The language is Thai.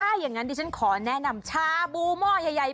ถ้าอย่างนั้นดิฉันขอแนะนำชาบูหม้อใหญ่